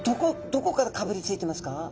どこからかぶりついてますか？